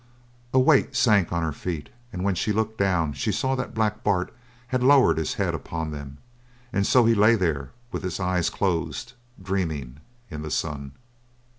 A weight sank on her feet and when she looked down she saw that Black Bart had lowered his head upon them, and so he lay there with his eyes closed, dreaming in the sun.